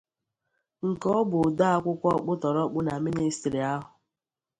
nke ọ bụ odeakwụkwọ ọkpụtọrọkpụ na minịstịrị ahụ